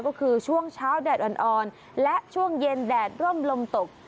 ก็คือช่วงเช้าแดดอ่อนและช่วงเย็นแดดร่มลมตก